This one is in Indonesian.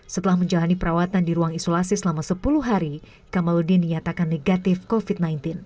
setelah menjalani perawatan di ruang isolasi selama sepuluh hari kamaludin dinyatakan negatif covid sembilan belas